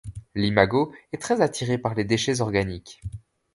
L'imago est très attiré par les déchets organiques.